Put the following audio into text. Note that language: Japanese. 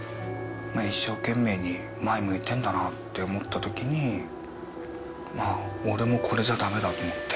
一生懸命に前向いてるんだなって思ったときに俺もこれじゃダメだと思って。